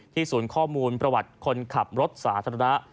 ศูนย์ข้อมูลประวัติคนขับรถสาธารณะ